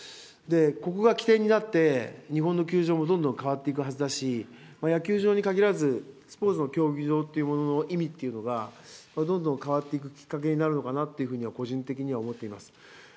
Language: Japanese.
ここが起点になって、日本の球場もどんどん変わっていくはずだし、野球場に限らず、スポーツの競技場というものの意味っていうのが、どんどん変わっていくきっかけになるのかなっていうふうには、個人的には思っています。